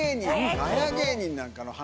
芸人なんかの話？